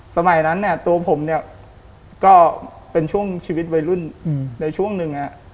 สมัยนั้นตัวผมก็เป็นช่วงชีวิตวัยรุ่นในช่วงหนึ่ง